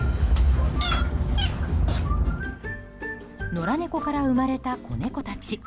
野良猫から生まれた子猫たち。